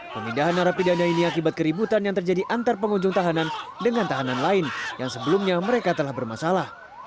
pemindahan narapidana ini akibat keributan yang terjadi antar pengunjung tahanan dengan tahanan lain yang sebelumnya mereka telah bermasalah